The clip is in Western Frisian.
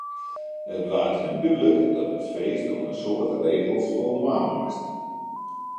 It waard him dúdlik dat it feest oan in soad regels foldwaan moast.